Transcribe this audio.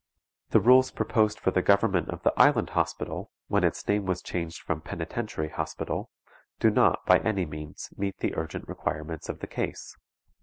The rules proposed for the government of the Island Hospital, when its name was changed from Penitentiary Hospital, do not, by any means, meet the urgent requirements of the case.